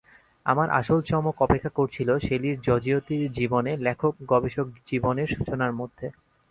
আমার আসল চমক অপেক্ষা করছিল শেলীর জজিয়তির জীবনে লেখক-গবেষক জীবনের সূচনার মধ্যে।